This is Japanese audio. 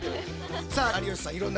さあ有吉さん